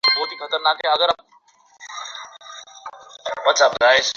আমাকে কল করছো মানে তুমি ব্যাংকিং বিভাগের মাথা।